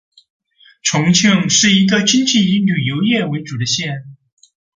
重庆是一个经济以旅游业为主的县。